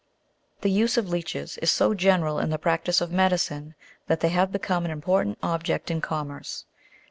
The use of leeches is so general in the practice of medicine, that they have become an important object in p. commerce.